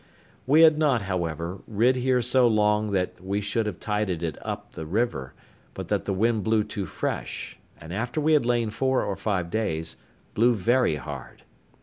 We had not, however, rid here so long but we should have tided it up the river, but that the wind blew too fresh, and after we had lain four or five days, blew very hard.